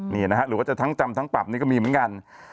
นี่นะฮะหรือว่าจะทั้งจำทั้งปรับนี่ก็มีเหมือนกัน